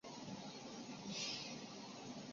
著名的印加古迹马丘比丘位于本大区。